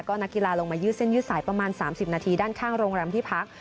ก็นักกีฬาลงมายืดเส้นยืดสายประมาณ๓๐นาทีด้านข้างโรงแรมที่พัก